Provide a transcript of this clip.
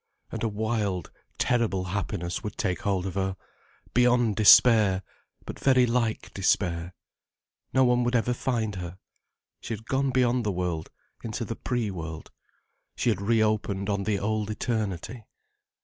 And a wild, terrible happiness would take hold of her, beyond despair, but very like despair. No one would ever find her. She had gone beyond the world into the pre world, she had reopened on the old eternity.